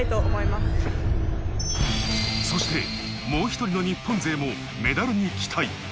そして、もう一人の日本勢もメダルに期待。